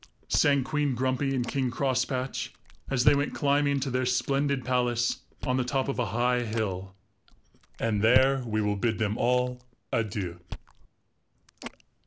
sang Queen Grumpy and King Crosspatch, as they went climbing to their splendid palace on the top of a high hill; and there we will bid them all adieu!